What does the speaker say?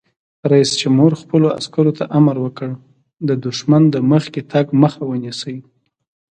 رئیس جمهور خپلو عسکرو ته امر وکړ؛ د دښمن د مخکې تګ مخه ونیسئ!